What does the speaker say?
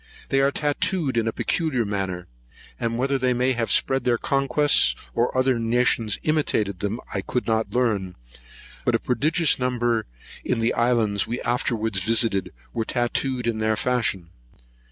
They are tatooed in a particular manner; and whether they may have spread their conquests, or other nations imitated them, I could not learn; but a prodigious number, in islands we afterwards visited, were tatooed in their fashion.